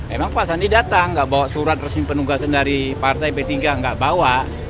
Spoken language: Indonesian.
emang pak sandi datang nggak bawa surat resmi penugasan dari partai p tiga nggak bawa